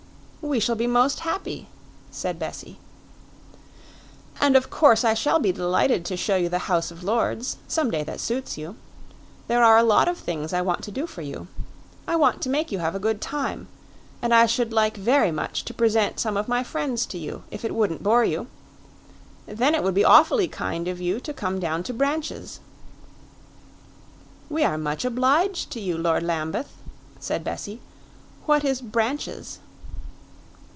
"We shall be most happy," said Bessie. "And of course I shall be delighted to show you the House of Lords some day that suits you. There are a lot of things I want to do for you. I want to make you have a good time. And I should like very much to present some of my friends to you, if it wouldn't bore you. Then it would be awfully kind of you to come down to Branches." "We are much obliged to you, Lord Lambeth," said Bessie. "What is Branches?"